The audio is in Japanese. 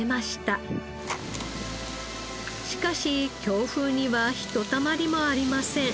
しかし強風にはひとたまりもありません。